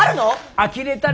あきれたね。